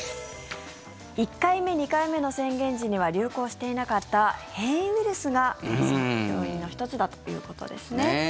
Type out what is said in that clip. １回目、２回目の宣言時には流行していなかった変異ウイルスがいま一つな要因の１つだということですね。